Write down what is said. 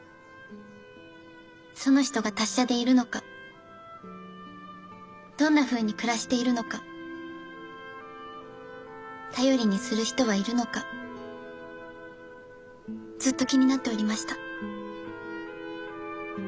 その人が達者でいるのかどんなふうに暮らしているのか頼りにする人はいるのかずっと気になっておりました。